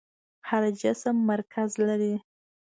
هر جسم مرکز لري.